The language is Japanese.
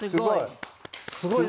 すごい。